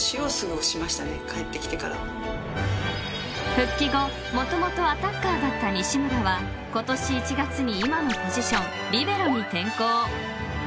［復帰後もともとアタッカーだった西村は今年１月に今のポジションリベロに転向］